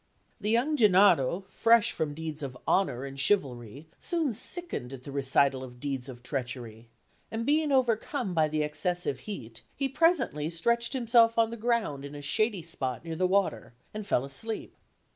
The young Gennaro, fresh from deeds of honour and chivalry, soon sickened at the recital of deeds of treachery; and being overcome by the excessive heat, he presently stretched himself on the ground in a shady spot near the water, and fell asleep.